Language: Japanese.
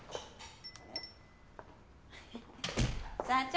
社長！